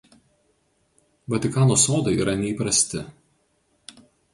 Vatikano sodai yra neįprasti.